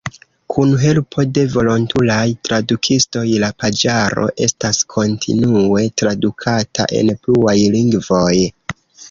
Kun helpo de volontulaj tradukistoj la paĝaro estas kontinue tradukata en pluaj lingvoj.